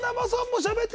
しゃべってる！